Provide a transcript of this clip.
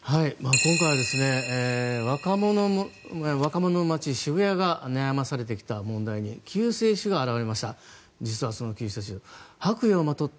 今回は若者の街渋谷が悩まされてきた問題に救世主が現れました。